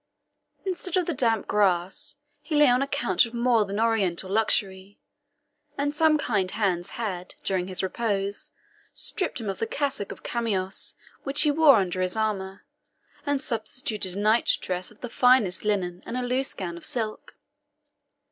Instead of the damp grass, he lay on a couch of more than Oriental luxury; and some kind hands had, during his repose, stripped him of the cassock of chamois which he wore under his armour, and substituted a night dress of the finest linen and a loose gown of silk.